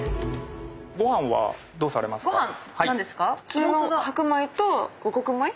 普通の白米と五穀米？